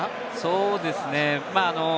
そうですね。